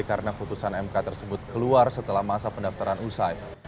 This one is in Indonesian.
karena putusan mk tersebut keluar setelah masa pendaftaran usai